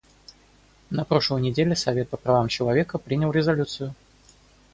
На прошлой неделе Совет по правам человека принял резолю.